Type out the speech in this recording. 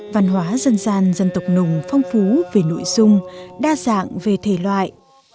văn hóa dân gian dân tộc nùng phong phú về nội dung đa dạng về thể loại